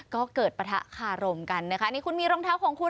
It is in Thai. ก็เกิดปะทะคารมกันนะคะนี่คุณมีรองเท้าของคุณ